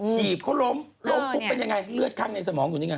ีบเขาล้มล้มปุ๊บเป็นยังไงเลือดข้างในสมองอยู่นี่ไง